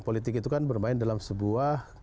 politik itu kan bermain dalam sebuah